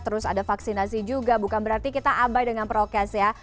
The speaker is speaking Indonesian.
terus ada vaksinasi juga bukan berarti kita abai dengan prokes ya